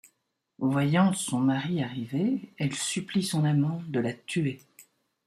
Voyant son mari arriver, elle supplie son amant de la tuer.